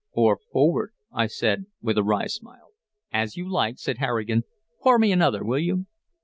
"Or forward," I said with a wry smile. "As you like," said Harrigan. "Pour me another, will you?"